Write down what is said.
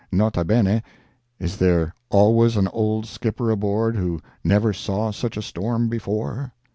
[N.B. Is there always an old skipper aboard who never saw such a storm before?